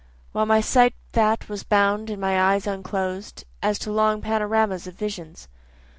While my sight that was bound in my eyes unclosed, As to long panoramas of visions.